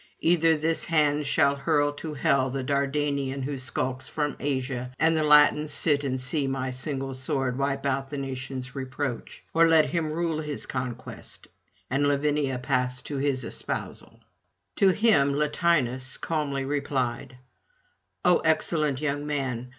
Either this hand shall hurl to hell the Dardanian who skulks from Asia, and the Latins sit and see my single sword wipe out the nation's reproach; or let him rule his conquest, and Lavinia pass to his espousal.' To him Latinus calmly replied: 'O excellent young man!